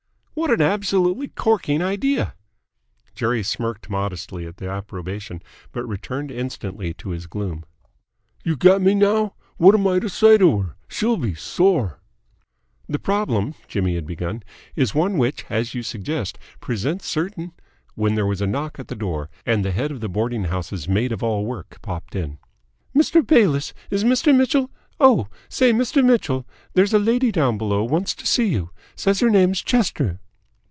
"What an absolutely corking idea!" Jerry smirked modestly at the approbation, but returned instantly to his gloom. "You get me now? What am I to say to her? She'll be sore!" "The problem," Jimmy had begun, "is one which, as you suggest, presents certain " when there was a knock at the door and the head of the boarding house's maid of all work popped in. "Mr. Bayliss, is Mr. Mitchell ? Oh, say, Mr. Mitchell, there's a lady down below wants to see you. Says her name's Chester."